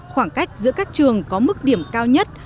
khoảng cách giữa các trường có mức điểm cao nhất